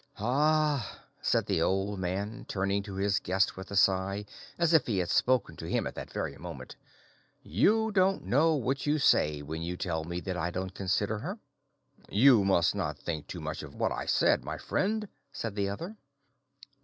"Ah!" said the old man, turning to his guest with a sigh, as if he had spoken to him at that very moment, "you don't know what you say when you tell me that I don't consider her." "You must not think too much of what I said, my friend," said the other.